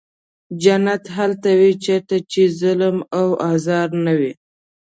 جنت هلته وي چېرته چې ظلم او آزار نه وي.